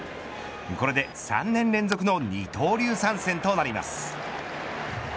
これで３年連続の二刀流参戦となります。